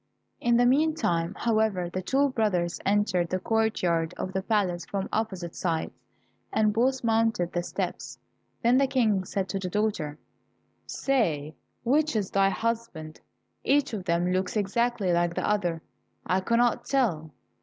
In the meantime, however, the two brothers entered the courtyard of the palace from opposite sides, and both mounted the steps. Then the King said to the daughter, "Say which is thy husband. Each of them looks exactly like the other, I cannot tell."